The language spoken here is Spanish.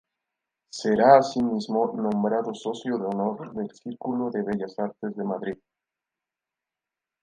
Será así mismo nombrado Socio de Honor del Círculo de Bellas Artes de Madrid.